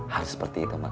harus seperti itu mak